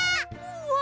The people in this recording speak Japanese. うわ！